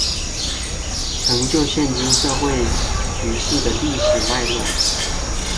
成就现今社会局势的历史脉络